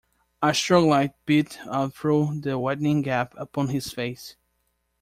A strong light beat out through the widening gap upon his face.